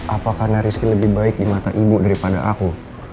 apa karena rizky lebih baik di mata ibu daripada aku